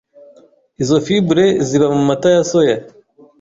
Izo fibres ziba mu mata ya soya